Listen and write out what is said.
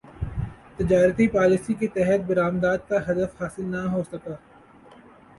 تجارتی پالیسی کے تحت برامدات کا ہدف حاصل نہ ہوسکا